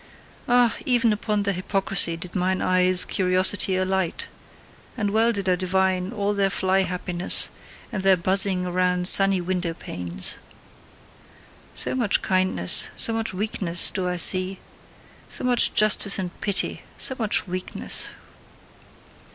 Ah, even upon their hypocrisy did mine eyes' curiosity alight; and well did I divine all their fly happiness, and their buzzing around sunny window panes. So much kindness, so much weakness do I see. So much justice and pity, so much weakness.